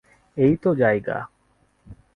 এই তো জায়গা।